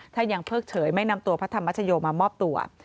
ถ้ายังเพิกเฉยไม่นำตัวพระธรรมชโยมามอบตัว